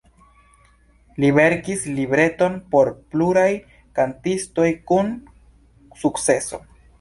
Li verkis libreton por pluraj kantistoj kun sukceso.